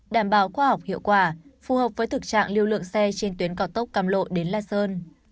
đảm bảo khoa học hiệu quả phù hợp với thực trạng lưu lượng xe trên tuyến cao tốc cam lộ đến la sơn